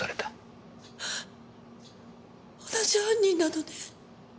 同じ犯人なのね？